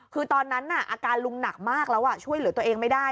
คือตอนนั้นอาการลุงหนักมากแล้วช่วยเหลือตัวเองไม่ได้